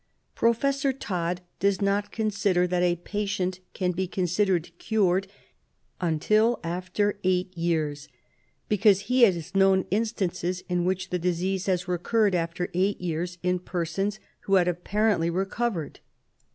Professor Todd does not consider that a patient can be considered cured until after eight years, because he has known instances in which the disease has recurred after eight years in persons who had apparently recovered.